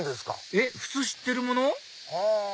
えっ普通知ってるもの？